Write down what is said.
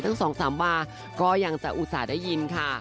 ตั้งสองสามบาลก็ยังจะอุตส่าห์ได้ยินค่ะ